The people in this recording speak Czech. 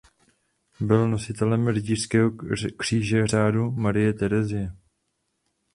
Byl nositelem rytířského kříže Řádu Marie Terezie.